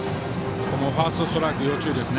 ファーストストライク要注意です。